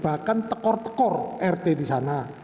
bahkan tekor tekor rt disana